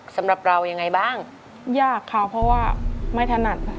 สำหรับเรายังไงบ้างยากค่ะเพราะว่าไม่ถนัดค่ะ